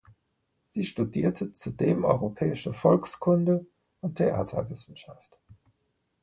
Sie studierte zudem europäische Volkskunde und Theaterwissenschaft.